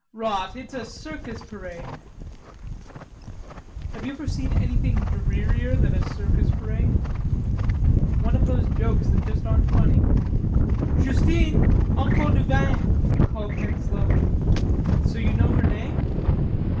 "Rot...It's a circus parade." "Have you ever seen anything drearier than a circus parade? One of those jokes that aren't funny." "Justine, encore du vin," called Henslowe. "So you know her name?"